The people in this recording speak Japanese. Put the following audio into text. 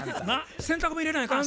洗濯物入れないかん。